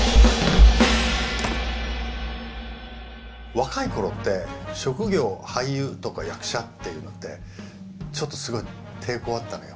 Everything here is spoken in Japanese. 若い頃って職業・俳優とか役者っていうのってちょっとすごい抵抗あったのよ。